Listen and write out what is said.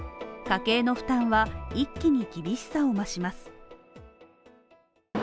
家計の負担は、一気に厳しさを増します。